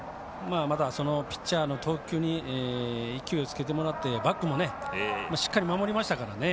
ピッチャーの投球に勢いをつけてもらってバックもしっかり守りましたから。